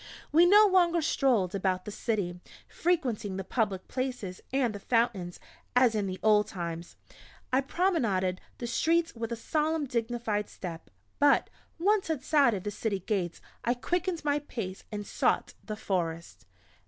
We no longer strolled about the city, frequenting the public places, and the fountains, as in the old times. I promenaded the streets with a solemn dignified step; but, once outside of the city gates, I quickened my pace and sought the Forest.